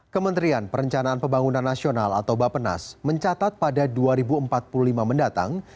kementerian perencanaan pembangunan nasional atau bapenas mencatat pada dua ribu empat puluh lima mendatang